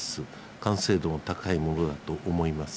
完成度の高いものだと思います。